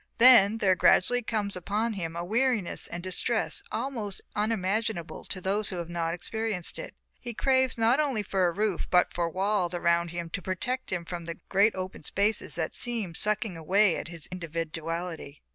Then there gradually comes upon him a weariness and distress almost unimaginable to those who have not experienced it. He craves not only for a roof but for walls around him to protect him from the great open spaces that seem sucking away his individuality.